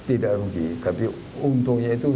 tidak rugi tapi untungnya itu